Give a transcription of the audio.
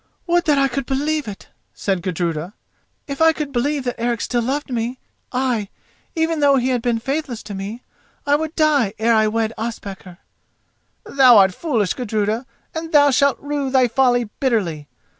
"Would that I could believe it!" said Gudruda. "If I could believe that Eric still loved me—ay, even though he had been faithless to me—I would die ere I wed Ospakar!" "Thou art foolish, Gudruda, and thou shalt rue thy folly bitterly.